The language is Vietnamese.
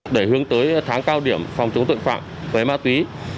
để hướng tới tháng cao điểm phòng chống tội phạm về ma túy